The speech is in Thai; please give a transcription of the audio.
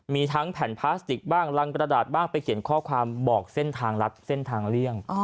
มีทั้งแผ่นพลาสติกบ้างรังกระดาษบ้างไปเขียนข้อความบอกเส้นทางลัดเส้นทางเลี่ยง